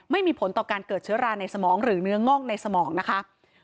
ไม่มีผลต่อการเกิดเชื้อราในสมองหรือเนื้อง่องในสมองนะคะ